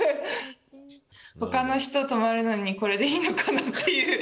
ほかの人泊まるのに、これでいいのかな？っていう。